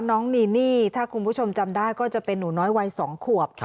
น้องนีนี่ถ้าคุณผู้ชมจำได้ก็จะเป็นหนูน้อยวัย๒ขวบ